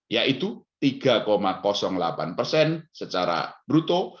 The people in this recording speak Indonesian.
yaitu tiga delapan persen secara bruto